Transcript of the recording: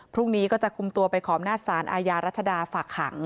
พรุ่งนี้ก็จะคุมตัวไปขอบหน้าสารอาญารัชดาฝากขัง